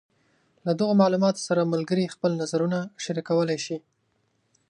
له دغو معلوماتو سره ملګري خپل نظرونه شریکولی شي.